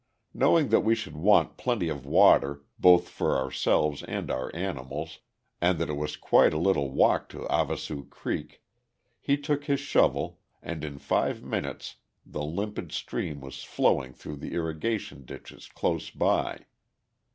Knowing that we should want plenty of water, both for ourselves and our animals, and that it was quite a little walk to Havasu Creek, he took his shovel and in five minutes the limpid stream was flowing through the irrigation ditches close by.